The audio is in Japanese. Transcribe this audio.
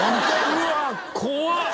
うわ怖っ！